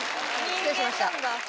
失礼しました。